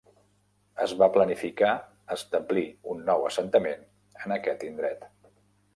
Es va planificar establir un nou assentament en aquest indret.